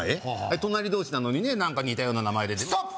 隣同士なのにね似たような名前でストップ！